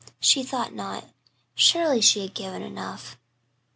She thought not; surely she had given enough.